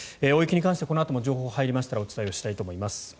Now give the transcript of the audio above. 大雪に関してこのあとも情報が入りましたらお伝えしたいと思います。